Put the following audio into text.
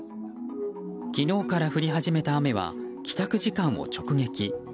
昨日から降り始めた雨は帰宅時間を直撃。